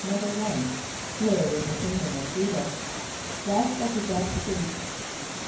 = Where was the kingdom of J[=u]´dah? =West of the Dead Sea.